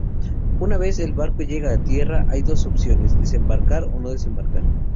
Una vez el barco llega a tierra hay dos opciones: desembarcar o no desembarcar.